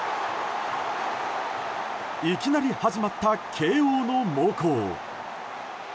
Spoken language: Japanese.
いきなり始まった慶応の猛攻。